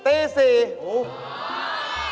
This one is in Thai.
ตี๔๐๐ก่อนอีกนะ